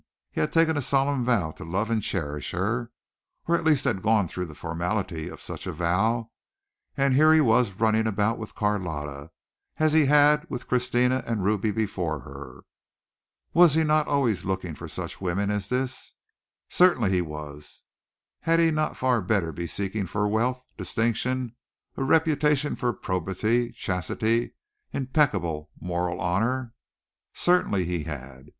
He had taken a solemn vow to love and cherish her, or at least had gone through the formality of such a vow, and here he was running about with Carlotta, as he had with Christina and Ruby before her. Was he not always looking for some such woman as this? Certainly he was. Had he not far better be seeking for wealth, distinction, a reputation for probity, chastity, impeccable moral honor? Certainly he had.